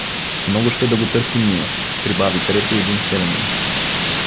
— Много ще да го търсим ние — прибави трети един селянин.